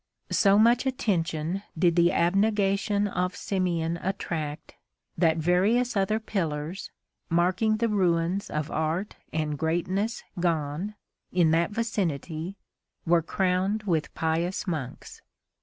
So much attention did the abnegation of Simeon attract that various other pillars, marking the ruins of art and greatness gone, in that vicinity, were crowned with pious monks.